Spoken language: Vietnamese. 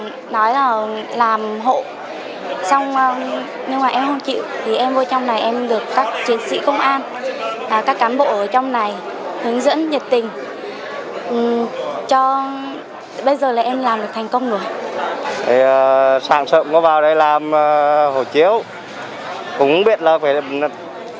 tìm kiếm tìm kiếm tìm kiếm tìm kiếm tìm kiếm tìm kiếm tìm kiếm tìm kiếm tìm kiếm tìm kiếm tìm kiếm tìm kiếm tìm kiếm tìm kiếm tìm kiếm tìm kiếm tìm kiếm tìm kiếm tìm kiếm tìm kiếm tìm kiếm tìm kiếm tìm kiếm tìm kiếm tìm kiếm tìm kiếm tìm kiếm tìm kiếm tìm kiếm tìm kiếm tìm kiếm tìm ki